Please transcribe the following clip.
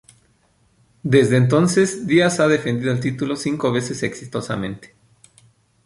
Desde entonces Díaz ha defendido el título cinco veces exitosamente.